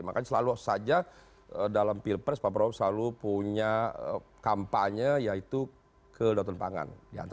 makanya selalu saja dalam pilpres pak prabowo selalu punya kampanye yaitu kedaulatan pangan